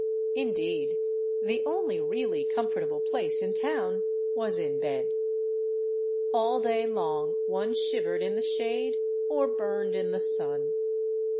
In deed, the only really comfortable place in town was in bed. All day long one shivered in the shade or burned in the sun.